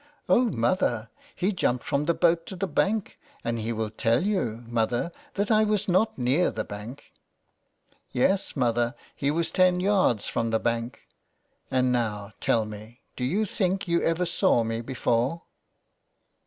" Oh, mother, he jumped from the boat to the bank, and he will tell you, mother, that I was not near the bank." " Yes, mother, he was ten yards from the bank ; and now tell me, do you think you ever saw me before."